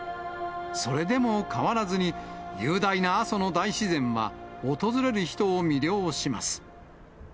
それでも変わらずに、雄大な阿蘇の大自然は、訪れる人を魅了します。